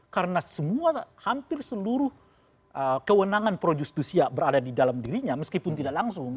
karena semua hampir seluruh kewenangan projustusia berada di dalam dirinya meskipun tidak langsung